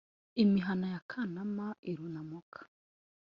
Imihana ya Kanama irunamuka;